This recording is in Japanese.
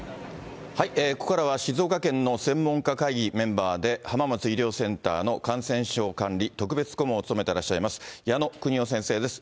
ここからは静岡県の専門家会議メンバーで、浜松医療センターの感染症管理特別顧問を務めていらっしゃいます、矢野邦夫先生です。